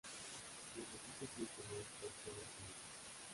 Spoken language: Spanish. La noticia circuló por todo el país.